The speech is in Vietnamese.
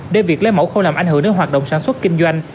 để việc lấy mẫu không làm ảnh hưởng đến hoạt động sản xuất kinh doanh